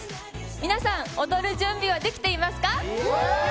皆さん、踊る準備はできていますか？